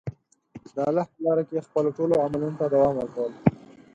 د الله په لاره کې خپلو ټولو عملونو ته دوام ورکول.